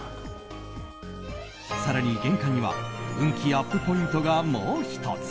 更に、玄関には運気アップポイントがもう１つ。